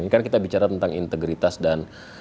ini kan kita bicara tentang integritas dan